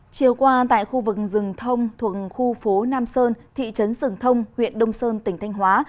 chiều qua tại khu vực rừng thông thuộc khu phố nam sơn thị trấn rừng thông huyện đông sơn tỉnh thanh hóa